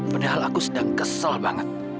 padahal aku sedang kesel banget